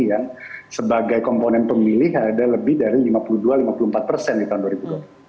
yang sebagai komponen pemilih ada lebih dari lima puluh dua lima puluh empat persen di tahun dua ribu dua puluh empat